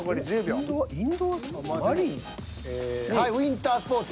「ウィンタースポーツ」。